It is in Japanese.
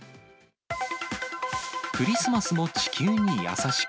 クリスマスも地球に優しく。